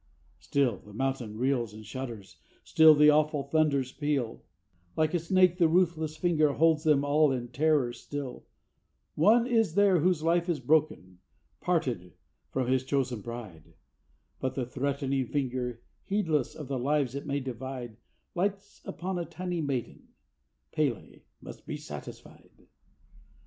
Still the mountain reels and shudders, still the awful thunders peal, Like a snake the ruthless finger holds them all in terror still; One is there whose life is broken, parted from his chosen bride, But the threatening finger, heedless of the lives it may divide, Lights upon a tiny maiden, P├®l├® must be satisfied!